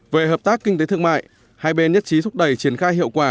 về hợp tác kinh tế thương mại hai bên nhất trí thúc đẩy triển khai hiệu quả